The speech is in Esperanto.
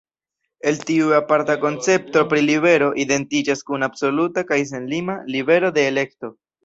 El tiu aparta koncepto pri libero identiĝas kun absoluta kaj senlima “libero de elekto”.